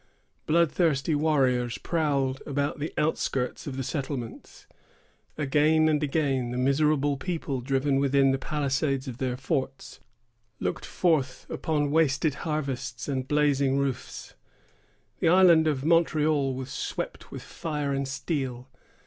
Bloodthirsty warriors prowled about the outskirts of the settlements. Again and again the miserable people, driven within the palisades of their forts, looked forth upon wasted harvests and blazing roofs. The Island of Montreal was swept with fire and steel.